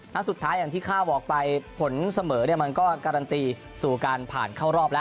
แล้วสุดท้ายอย่างที่ข้าวบอกไปผลเสมอเนี่ยมันก็การันตีสู่การผ่านเข้ารอบแล้ว